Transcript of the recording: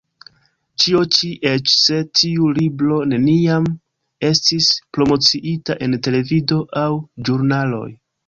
Ĉio ĉi, eĉ se tiu libro neniam estis promociita en televido aŭ ĵurnaloj.